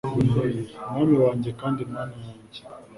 Mwami wanjye kandi Mana yanjye